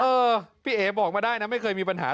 เออพี่เอ๋บอกมาได้นะไม่เคยมีปัญหา